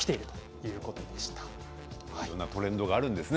いろんなトレンドがあるんですね。